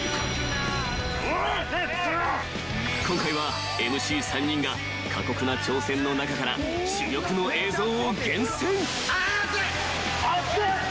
［今回はＭＣ３人が過酷な挑戦の中から珠玉の映像を厳選］